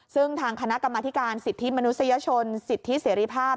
ซึ่งทางคณะกรรมธิการสิทธิมนุษยชนสิทธิเสรีภาพ